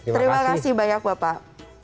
terima kasih banyak bapak